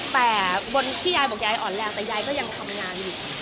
แต่บนที่ยายบอกยายอ่อนแรงแต่ยายก็ยังทำงานอยู่